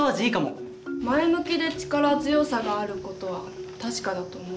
前向きで力強さがある事は確かだと思う。